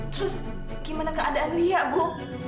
terus gimana keadaan lia bu